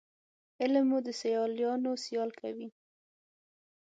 علم مو د سیالانو سیال کوي